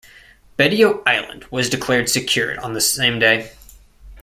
Betio Island was declared secured on the same day.